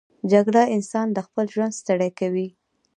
جګړه انسان له خپل ژوند ستړی کوي